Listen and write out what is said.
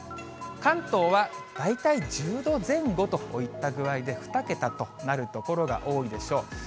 関東は大体１０度前後といった具合で、２桁となる所が多いでしょう。